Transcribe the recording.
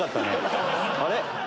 あれ？